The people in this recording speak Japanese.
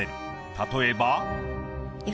例えば。